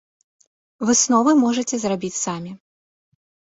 Высновы можаце зрабіць самі.